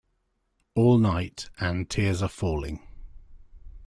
All Night" and "Tears Are Falling".